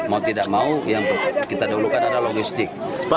mau tidak mau yang kita dahulukan adalah logistik